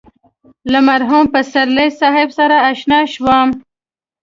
له مرحوم پسرلي صاحب سره اشنا شوم.